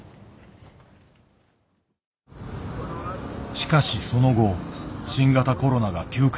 しかしその後新型コロナが急拡大。